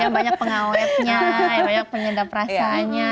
yang banyak pengawetnya yang banyak penyedap rasanya